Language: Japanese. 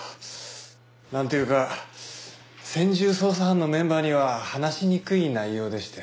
なんというか専従捜査班のメンバーには話しにくい内容でして。